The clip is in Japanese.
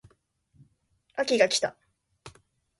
秋が来た